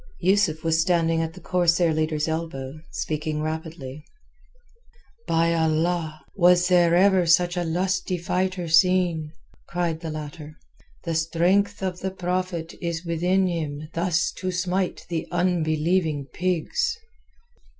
Yusuf was standing at the corsair leader's elbow speaking rapidly. "By Allah, was ever such a lusty fighter seen!" cried the latter. "The strength of the Prophet is within him thus to smite the unbelieving pigs."